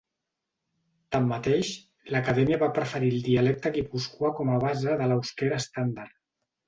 Tanmateix, l'Acadèmia va preferir el dialecte guipuscoà com a base de l'eusquera estàndard.